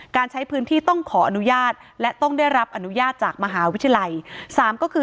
การใช้พื้นที่ต้องขออนุญาตและต้องได้รับอนุญาตจากมหาวิทยาลัยสามก็คือ